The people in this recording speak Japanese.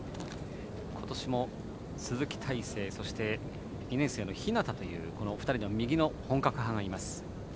今年も、鈴木泰成そして２年生の日當というこの２人の右の本格派がいます。